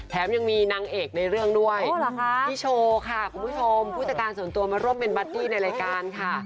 ยังมีนางเอกในเรื่องด้วยพี่โชว์ค่ะคุณผู้ชมผู้จัดการส่วนตัวมาร่วมเป็นบัตตี้ในรายการค่ะ